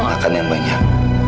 makan yang banyak